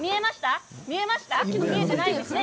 見えてないですね。